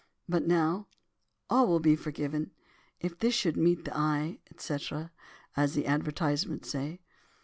But now, all will be forgiven, 'if this should meet the eye,' &c., as the advertisements say.